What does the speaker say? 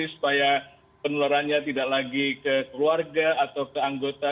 supaya penularannya tidak lagi ke keluarga atau ke anggota